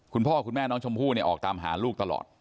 คุณพ่อคุณแม่น้องชมพู่เนี่ยออกตามหาลูกตลอด